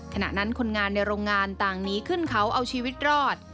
ขณะนั้นคนงานในโรงงานต่างหนีขึ้นเขาเอาชีวิตรอด